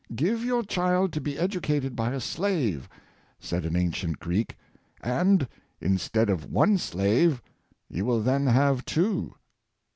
" Give your child to be educated by a slave," said an ancient Greek, "and, instead of one slave, you will then have two."